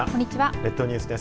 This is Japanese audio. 列島ニュースです。